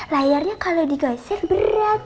layarnya kalo digosir berat